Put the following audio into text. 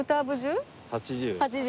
８０。